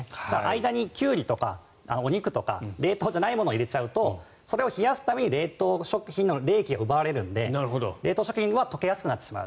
間にキュウリとかお肉とか冷凍じゃないものを入れちゃうとそれを冷やすために冷凍食品の冷気が奪われるので冷凍食品は解けやすくなってしまう。